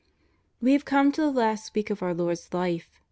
We have come to the last week of our Lord's Life.